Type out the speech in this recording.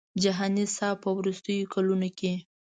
جهاني صاحب په وروستیو کلونو کې.